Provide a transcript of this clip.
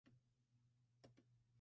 Fan started her career as an accountant.